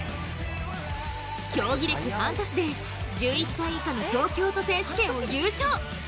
競技歴半年で、１１歳以下の東京都選手権を優勝。